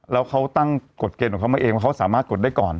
แล้วเขาตั้งกฎเกณฑ์ของเขามาเองว่าเขาสามารถกดได้ก่อน